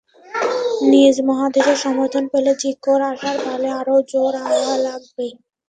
নিজ মহাদেশের সমর্থন পেলে জিকোর আশার পালে আরও জোর হাওয়া লাগবে।